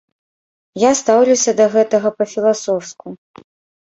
Я стаўлюся да гэтага па-філасофску.